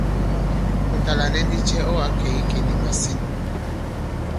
Mùt à lànɛ ndi cɛ ɔ̂ ǎ kɛ̀ i ikè nì màsîn ?